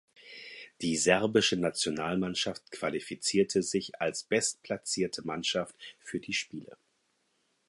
Die Serbische Nationalmannschaft qualifizierte sich als bestplatzierte Mannschaft für die Spiele.